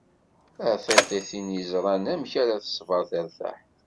A tiṭ i ten-iẓran, amek ara tesber tertaḥ?